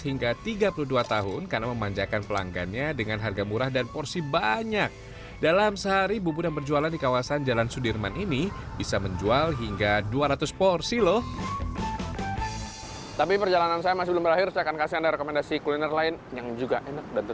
hai tapi perjalanan saya masih belum berakhir akan kasih rekomendasi klien lain yang juga